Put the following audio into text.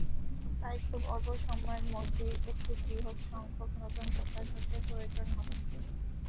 তাই খুব অল্প সময়ের মধ্যেই একটি বৃহৎ সংখ্যক নতুন প্রশাসকের প্রয়োজন হবে।